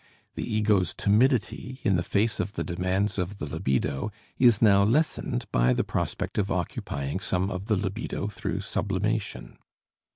The ego's timidity in the face of the demands of the libido is now lessened by the prospect of occupying some of the libido through sublimation.